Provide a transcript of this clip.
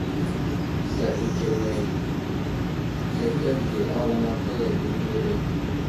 Sla ɗi keme təkeɗerge a wulamataya ane wele.